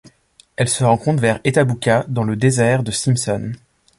Elle se rencontre vers Ethabuka dans le désert de Simpson.